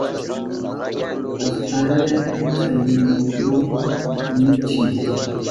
Astalla chaynikman riychi.